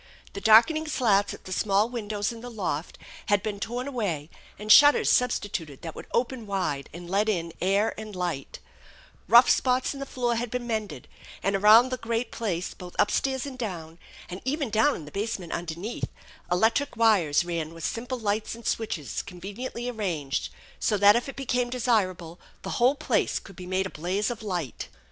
The darkening slats at the small windows in the loft had been torn away and shutters substituted that would open wide and let in air and light Kough spots in the floor had been mended, and around the great place both up stairs and down, and even down in the basement underneath, electric wires ran with simple lights and switches conveniently arranged, so that if it became desir able the whole place could be made a blaze of light.